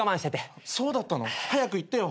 そうだったの？早く言ってよ。